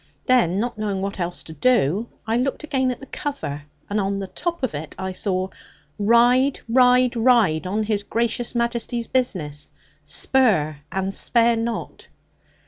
Then, not knowing what else to do, I looked again at the cover, and on the top of it I saw, 'Ride, Ride, Ride! On His Gracious Majesty's business; spur and spare not.'